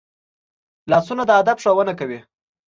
لاسونه د ادب ښوونه کوي